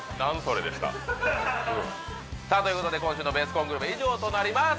でしたさあということで今週の「ベスコングルメ」以上となります